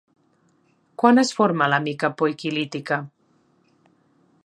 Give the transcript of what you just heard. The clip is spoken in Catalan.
Quan es forma la mica poiquilítica?